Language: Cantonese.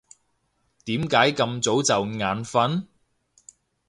點解咁早就眼瞓？